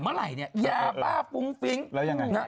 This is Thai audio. หรือยังไง